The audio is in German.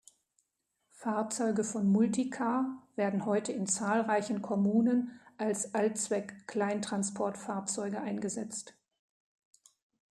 Fahrzeuge von Multicar werden heute in zahlreichen Kommunen als Allzweck-Kleintransportfahrzeuge eingesetzt.